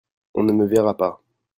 On ne me verra pas.